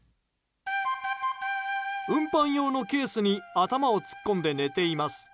運搬用のケースに頭を突っ込んで寝ています。